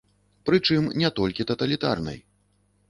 Прычым не толькі таталітарнай.